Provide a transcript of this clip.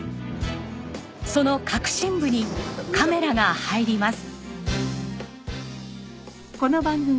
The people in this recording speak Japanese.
その核心部にカメラが入ります。